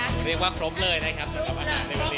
เรียกว่าครบเลยนะครับสำหรับอาหารในวันนี้